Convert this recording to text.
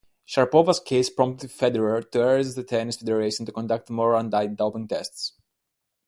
Sharapova's case prompted Federer to urge the tennis federation to conduct more anti-doping tests.